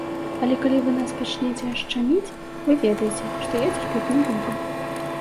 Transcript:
Але калі вы нас пачнеце шчаміць, вы ведаеце, што я цярпець не буду.